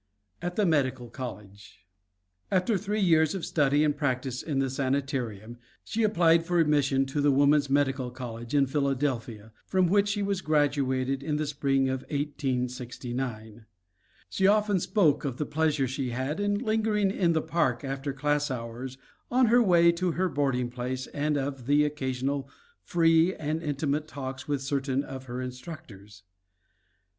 AT THE MEDICAL COLLEGE After three years of study and practice in the Sanitarium she applied for admission to the Woman's Medical College in Philadelphia, from which she was graduated in the spring of 1869. She often spoke of the pleasure she had in lingering in the park after class hours, on her way to her boarding place, and of the occasional free and intimate talks with certain of her instructors.